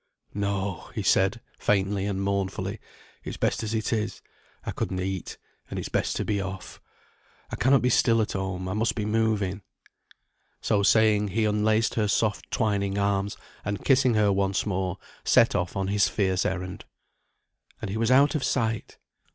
"No," he said, faintly and mournfully. "It's best as it is. I couldn't eat, and it's best to be off. I cannot be still at home. I must be moving." So saying, he unlaced her soft twining arms, and kissing her once more, set off on his fierce errand. And he was out of sight!